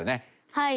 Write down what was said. はい。